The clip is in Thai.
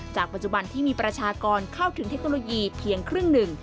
ปัจจุบันที่มีประชากรเข้าถึงเทคโนโลยีเพียงครึ่งหนึ่ง